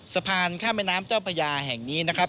สะพานข้ามแม่น้ำเจ้าพญาแห่งนี้นะครับ